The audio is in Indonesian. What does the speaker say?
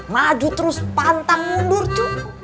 maju terus pantang mundur